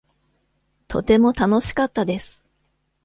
とても楽しかったです。